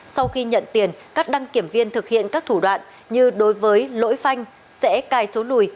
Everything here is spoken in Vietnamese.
sau khi nhận tiền các đăng kiểm viên thực hiện các thủ đoạn như đối với lỗi phanh sẽ cài số lùi